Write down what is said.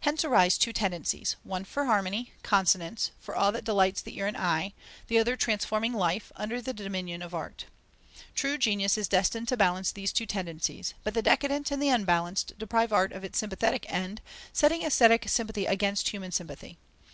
Hence arise two tendencies: one for harmony, consonance, for all that delights the ear and eye; the other transforming life, under the dominion of art. True genius is destined to balance these two tendencies; but the decadent and the unbalanced deprive art of its sympathetic end, setting aesthetic sympathy against human sympathy.